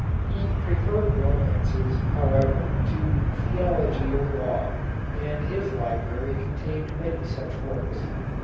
He preferred romances, however, to theology or law, and his library contained many such works.